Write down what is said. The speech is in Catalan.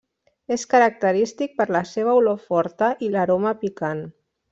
És característic per la seva olor forta i l'aroma picant.